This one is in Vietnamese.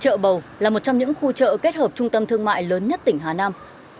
chợ bầu là một trong những khu chợ kết hợp trung tâm thương mại lớn nhất tỉnh hà nam